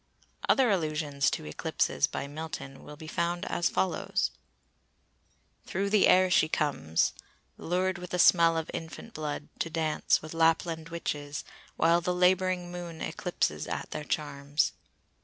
'" Other allusions to eclipses by Milton will be found as follows:— Through the air she comes, "Lur'd with the smell of infant blood, to dance With Lapland witches, while the labouring Moon Eclipses at their charms."